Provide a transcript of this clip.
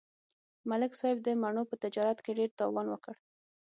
ملک صاحب د مڼو په تجارت کې ډېر تاوان وکړ.